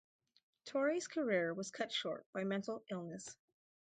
Torre's career was cut short by mental illness.